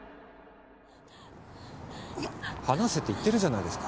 放せって言ってるじゃないですか。